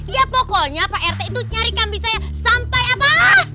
ya pokoknya pak rt itu nyari kambing saya sampai apa